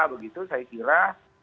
begitu saya kira